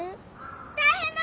・大変だ！